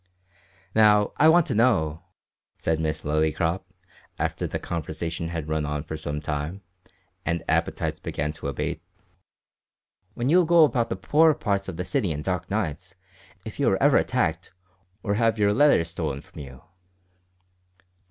"Now, I want to know," said Miss Lillycrop, after the conversation had run on for some time, and appetites began to abate, "when you go about the poorer parts of the city in dark nights, if you are ever attacked, or have your letters stolen from you."